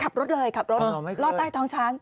ขับรถเลยขับรถอ่าไม่เคยลอดใต้ทองช้าง